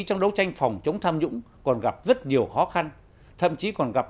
trong đấu tranh phòng chống tham nhũng còn gặp rất nhiều khó khăn thậm chí còn gặp